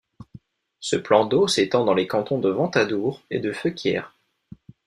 Ce plan d’eau s’étend dans les cantons de Ventadour et de Feuquières.